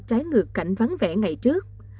trái ngược cảnh vắng vẻ ngày trước